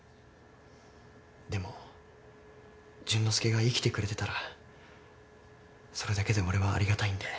でも淳之介が生きてくれてたらそれだけで俺はありがたいんで。